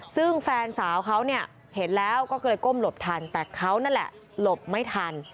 ซึ่งแฟนสาวเขาเนี่ยเห็นแล้วก็เลยก้มหลบทันแต่เขานั่นแหละหลบไม่ทัน